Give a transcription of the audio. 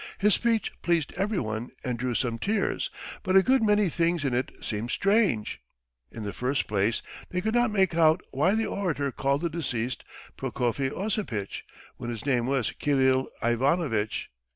His speech pleased everyone and drew some tears, but a good many things in it seemed strange. In the first place they could not make out why the orator called the deceased Prokofy Osipitch when his name was Kirill Ivanovitch.